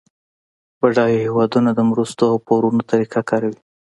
بډایه هیوادونه د مرستو او پورونو طریقه کاروي